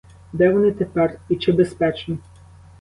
Де вони тепер і чи безпечні?